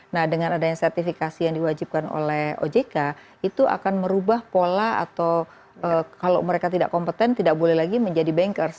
nah dengan adanya sertifikasi yang diwajibkan oleh ojk itu akan merubah pola atau kalau mereka tidak kompeten tidak boleh lagi menjadi bankers